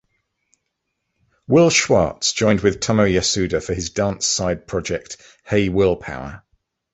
Will Schwartz joined with Tomo Yasuda for his dance side-project hey willpower.